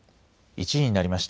１時になりました。